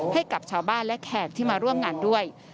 ให้กับชาวบ้านและแขกที่มาร่วมงานด้วย